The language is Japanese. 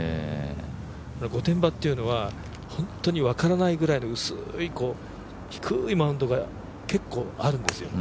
御殿場っていうのは本当に分からないぐらいの薄い、低いマウンドが結構あるんですよ。